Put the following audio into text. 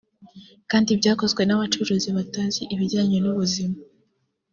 kandi byakozwe n’abacuruzi batazi ibijyanye n’ubuzima